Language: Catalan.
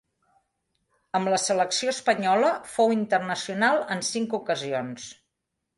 Amb la selecció espanyola fou internacional en cinc ocasions.